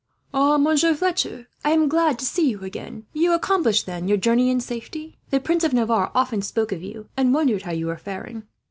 "Ah! Monsieur Fletcher, I am glad to see you again. You accomplished, then, your journey in safety. The Prince of Navarre often spoke of you, and wondered how you were faring."